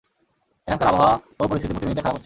এখানকার আবহাওয়া ও পরিস্থিতি প্রতি মিনিটে খারাপ হচ্ছে।